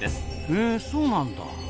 へえそうなんだ。